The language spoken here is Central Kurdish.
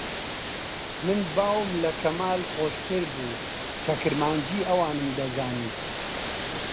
من باوم لە کەمال خۆشتر بوو کە کرمانجیی ئەوانم دەزانی